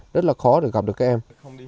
rất là khó để gặp được các em